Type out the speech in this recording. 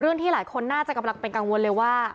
ที่หลายคนน่าจะกำลังเป็นกังวลเลยว่า